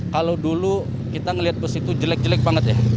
kalau dulu kita melihat bus itu jelek jelek banget ya